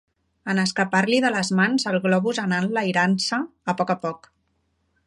En escapar-li de les mans, el globus anà enlairant-se a poc a poc.